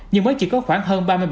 nhưng mới chỉ có khoảng hơn ba mươi bảy